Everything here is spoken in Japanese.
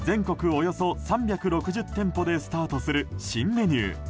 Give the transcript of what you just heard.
およそ３６０店舗でスタートする新メニュー。